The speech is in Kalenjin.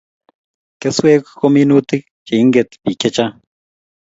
keswek ko minutik che inket biik chechang